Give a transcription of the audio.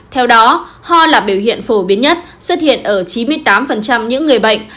theo đó ho là biểu hiện phổ biến nhất xuất hiện ở chín mươi tám những người bệnh